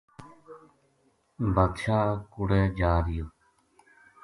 بادشاہ کوڑے جا رہیو